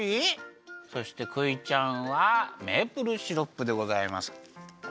そしてクイちゃんはメープルシロップでございます。